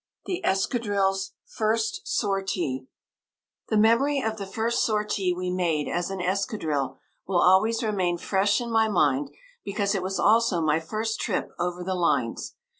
THE ESCADRILLE'S FIRST SORTIE The memory of the first sortie we made as an escadrille will always remain fresh in my mind because it was also my first trip over the lines.